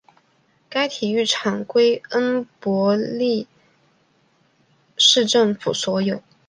该体育场归恩波利市政府所有。